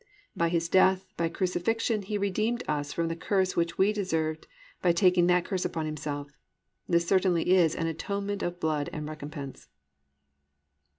"+ By His death by crucifixion He redeemed us from the curse which we deserved by taking that curse upon Himself. This certainly is "an atonement of blood and recompense."